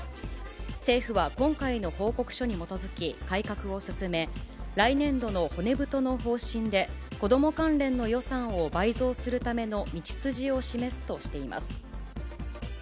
政府は今回の報告書に基づき、改革を進め、来年度の骨太の方針で、こども関連の予算を倍増するための道筋を示すとしています。